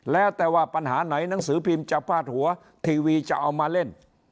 แล้วแต่ว่าปัญหาไหนหนังสือพิมพ์จะพาดหัวทีวีจะเอามาเล่น